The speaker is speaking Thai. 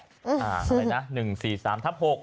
อ่าเอาไว้นะหนึ่งสี่สามทับหก